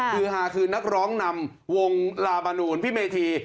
คือฮาคือนักร้องนำวงลาบานูลพี่เมธี